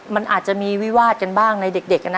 มันอาจจะมีวิวาดกันบ้างในเด็กนะ